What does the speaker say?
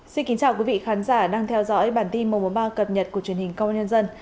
xin kính chào quý vị khán giả đang theo dõi bản tin một trăm một mươi ba cập nhật của truyền hình công an nhân dân